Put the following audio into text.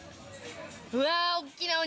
うわ大っきなお